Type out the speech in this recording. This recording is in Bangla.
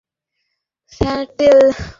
কিন্তু ও বিদেশে স্যাটেল হয়ে গেছে।